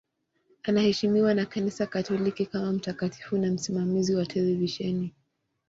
Anaheshimiwa na Kanisa Katoliki kama mtakatifu na msimamizi wa televisheni.